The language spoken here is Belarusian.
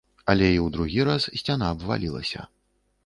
Але і ў другі раз сцяна абвалілася.